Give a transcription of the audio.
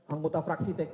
anggota fraksi t